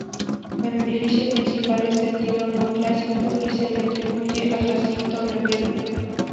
El edificio principal es de estilo neoclásico y se le atribuye a Jacinto Rebelo.